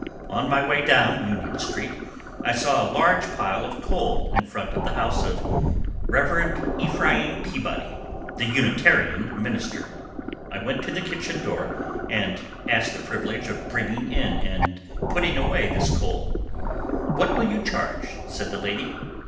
On my way down Union street I saw a large pile of coal in front of the house of Rev. Ephraim Peabody, the Unitarian minister. I went to the kitchen door and asked the privilege of bringing in and putting away this coal. "What will you charge?" said the lady.